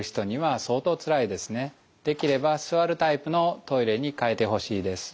できれば座るタイプのトイレに変えてほしいです。